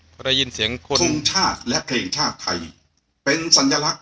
พอได้ยินเสียงคนทรงชาติและเพลงชาติไทยเป็นสัญลักษณ